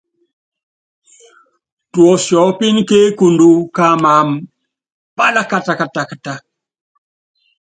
Tuɔsiɔ́pínɛ́ ke ekundu ká amam palakatakata.